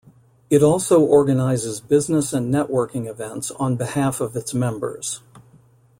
It also organizes business and networking events on behalf of its members.